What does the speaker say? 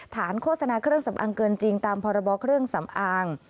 โฆษณาเครื่องสำอางเกินจริงตามพรบเครื่องสำอาง